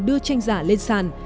đưa tranh giả lên sàn